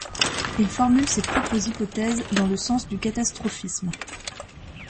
Il formule ses propres hypothèses dans le sens du catastrophisme.